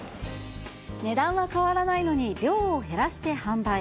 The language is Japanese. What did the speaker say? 値段は変わらないのに量を減らして販売。